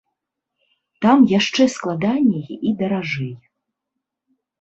Там яшчэ складаней і даражэй.